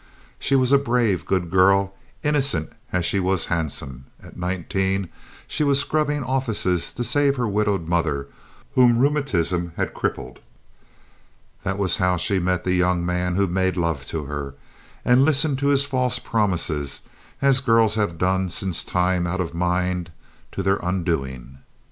She was a brave, good girl, innocent as she was handsome. At nineteen she was scrubbing offices to save her widowed mother, whom rheumatism had crippled. That was how she met the young man who made love to her, and listened to his false promises, as girls have done since time out of mind to their undoing.